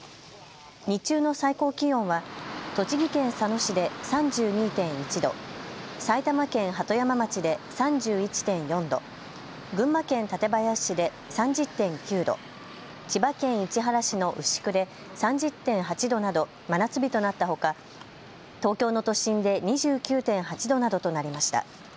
日中の最高気温は栃木県佐野市で３２．１度、埼玉県鳩山町で３１．４度、群馬県館林市で３０．９度、千葉県市原市の牛久で３０．８度など真夏日となったほか東京の都心で２９．８度などとなりました。